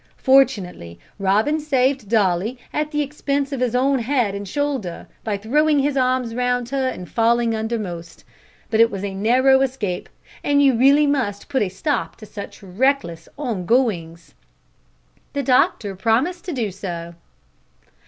Fortunately Robin saved Dolly, at the expense of his own head and shoulder, by throwing his arms round her and falling undermost; but it was a narrow escape, and you really must put a stop to such reckless ongoings." The doctor promised to do so.